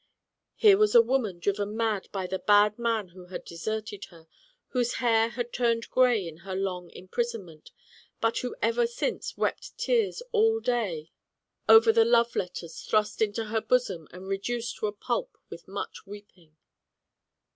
Here was a woman driven mad by the bad man who had deserted her, whose hair had turned gray in her long imprisonment, but who ever since wept tears all day over the love letters thrust into her bosom and reduced to a pulp with much weeping.